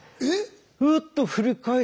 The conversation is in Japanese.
えっ